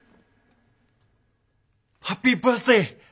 ハッピーバースデー！